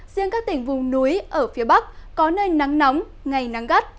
riêng các tỉnh vùng núi ở phía bắc có nơi nắng nóng ngày nắng gắt